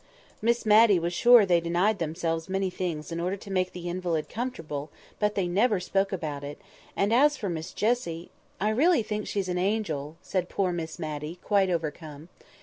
Miss Matty was sure they denied themselves many things in order to make the invalid comfortable; but they never spoke about it; and as for Miss Jessie!—"I really think she's an angel," said poor Miss Matty, quite overcome.